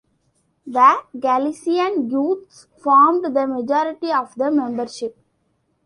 The Galician youths formed the majority of the membership.